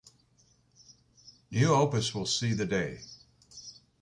New opus will see the day.